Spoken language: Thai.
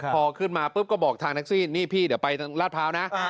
พอขึ้นมาปุ๊บก็บอกทางแท็กซี่นี่พี่เดี๋ยวไปทางราชพร้าวนะ